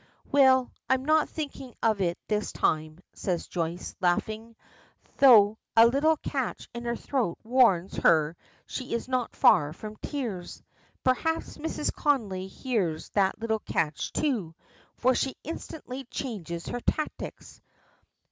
"Well, I'm not thinking of it this time," says Joyce, laughing, though a little catch in her throat warns her she is not far from tears. Perhaps Mrs. Connolly hears that little catch, too, for she instantly changes her tactics.